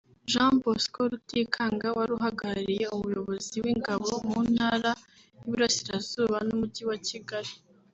Jean Bosco Rutikanga wari uhagarariye umuyobozi w’ingabo mu Ntara y’Iburasirazuba n’Umujyi wa Kigali